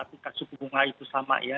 tingkat suku bunga itu sama ya